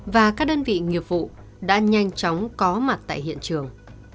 và các đơn vị nghiệp vụ đã nhanh chóng có mặt tại hiện trường